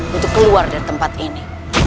untuk keluar dari tempat ini